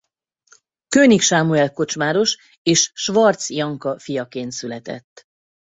Kőnig Sámuel kocsmáros és Schwarz Janka fiaként született.